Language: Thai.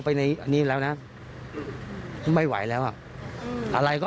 พ่ออบค่ะพ่อที่รู้ว่าลูกเสพยาเนี่ย